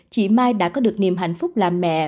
chị mai đã có được niềm hạnh phúc làm mẹ